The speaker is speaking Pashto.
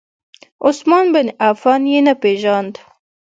عثمان بن عفان یې نه پیژاند.